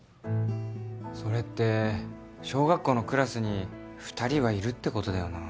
それって小学校のクラスに２人はいるって事だよなあ。